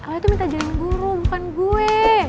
lo itu minta jaring guru bukan gue